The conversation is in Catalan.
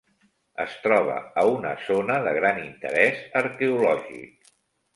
Es troba a una zona de gran interès arqueològic.